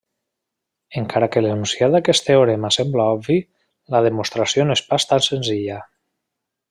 Encara que l'enunciat d'aquest teorema sembla obvi, la demostració no és pas tan senzilla.